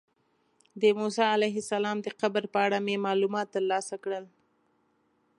د موسی علیه السلام د قبر په اړه مې معلومات ترلاسه کړل.